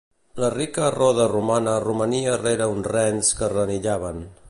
La rica roda romana romania rere uns rens que renillaven.